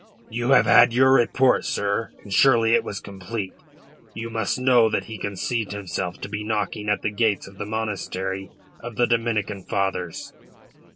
"You have had your report, sir, and surely it was complete. You must know that he conceived himself to be knocking at the gates of the monastery of the Dominican fathers."